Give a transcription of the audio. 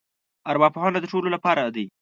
ارواپوهنه د ټولو لپاره دی.